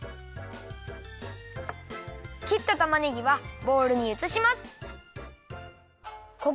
きったたまねぎはボウルにうつします！